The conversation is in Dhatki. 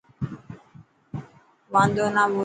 واندو نا ٻول.